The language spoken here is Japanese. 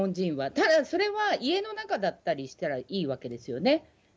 ただそれは、家の中だったりしたらいいわけですよね。